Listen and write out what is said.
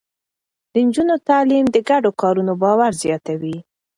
د نجونو تعليم د ګډو کارونو باور زياتوي.